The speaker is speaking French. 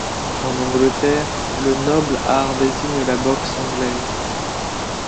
En Angleterre, le noble art désigne la boxe anglaise.